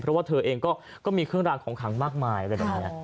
เพราะว่าเธอเองก็มีเครื่องรางของขังมากมายอะไรแบบนี้